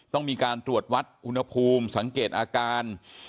ต้องมีการตรวจวัดอุณหภูมิสังเกตอาการ